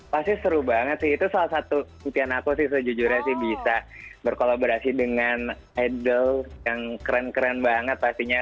pasti seru banget sih itu salah satu impian aku sih sejujurnya sih bisa berkolaborasi dengan idol yang keren keren banget pastinya